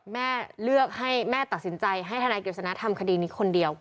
แม่เลือกให้แม่ตัดสินใจให้ทนายกฤษณะทำคดีนี้คนเดียว